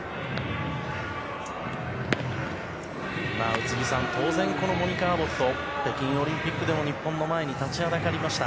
宇津木さん、当然モニカ・アボット北京オリンピックでも日本の前に立ちはだかりました。